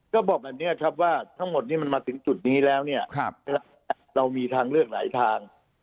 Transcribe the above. ก็บอกอย่างนี้ไหมฮะ